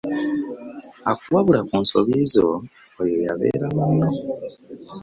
Akuwabula ku nsobi zo oyo yabeera munno.